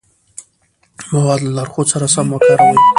مواد له لارښود سره سم وکاروئ.